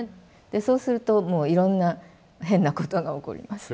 でそうするともういろんな変なことが起こります。